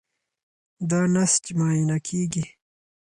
دا نسج معاینه کېږي.